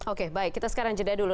oke baik kita sekarang jeda dulu